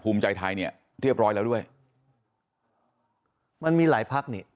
ภูมิใจไทยเนี่ยเรียบร้อยแล้วด้วยมันมีหลายพักนี่